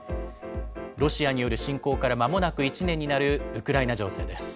ロシアによる侵攻からまもなく１年になるウクライナ情勢です。